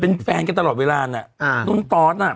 เป็นแฟนกันตลอดเวลาน่ะอ่านุ่นตอสน่ะ